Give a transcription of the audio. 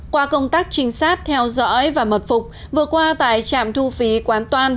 qua công tác trinh sát theo dõi và mật phục vừa qua tại trạm thu phí quán toan